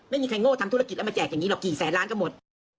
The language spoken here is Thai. ไม่มีใครโง่ทำธุรกิจแล้วมาแจกอย่างนี้หรอกกี่แสนล้านก็หมด